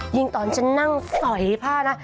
ตอนฉันนั่งสอยผ้านะ